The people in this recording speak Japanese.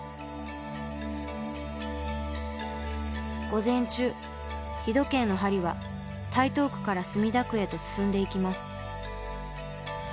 午前中日時計の針は台東区から墨田区へと進んでいきます。